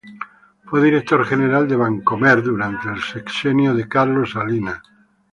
Fue director general de Bancomer durante el sexenio de Carlos Salinas.